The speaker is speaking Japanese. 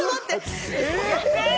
えっ！？